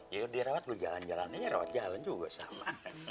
ya dirawat loh jalan jalan aja rawat jalan juga sama